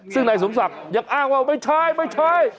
ซึ่งในสมศักดิ์อยากอ้างว่าไม่ใช่